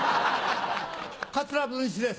桂文枝です